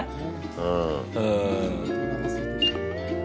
うん。